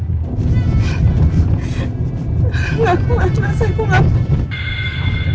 enggak kuat mas aku enggak kuat